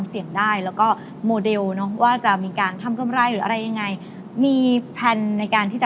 เมื่อกี้เราคุยกันในเรื่องของธุรกิจ